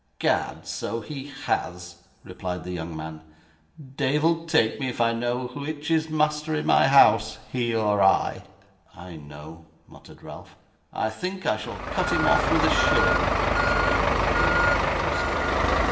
''Gad, so he has,' replied the young man; 'deyvle take me if I know which is master in my house, he or I.' 'I know,' muttered Ralph. 'I think I shall cut him off with a shilling,' said the young nobleman, jocosely.